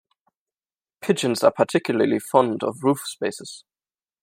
Pigeons are particularly fond of roof spaces.